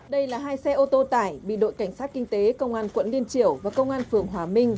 đây là hai xe ô tô tải bị đội cảnh sát kinh tế công an quận liên triểu và công an phường hòa minh